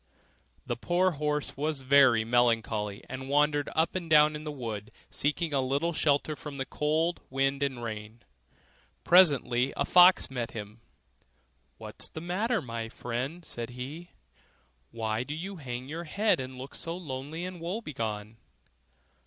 The poor horse was very melancholy, and wandered up and down in the wood, seeking some little shelter from the cold wind and rain. Presently a fox met him: 'What's the matter, my friend?' said he, 'why do you hang down your head and look so lonely and woe begone?